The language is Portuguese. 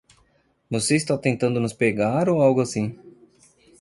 Você está tentando nos pegar ou algo assim?